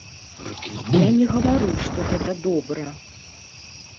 Я не гавару, што гэта добра!